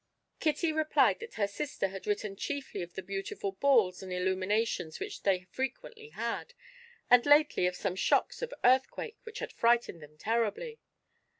Kitty replied that her sister had written chiefly of the beautiful balls and illuminations which they frequently had, and lately of some shocks of earthquake which had frightened them terribly.